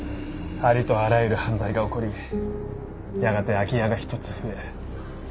ありとあらゆる犯罪が起こりやがて空き家が１つ増え２つ増え。